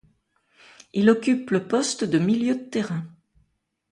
Il occupe le poste de milieu de terrain.